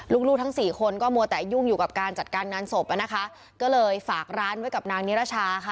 ลูกลูกทั้งสี่คนก็มัวแต่ยุ่งอยู่กับการจัดการงานศพอ่ะนะคะก็เลยฝากร้านไว้กับนางนิรชาค่ะ